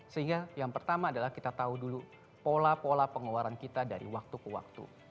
sehingga yang pertama adalah kita tahu dulu pola pola pengeluaran kita dari waktu ke waktu